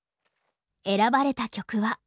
選ばれた曲は。